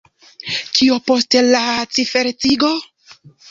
Kio post la ciferecigo?